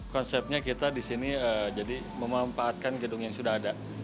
konsepnya kita disini memempatkan gedung yang sudah ada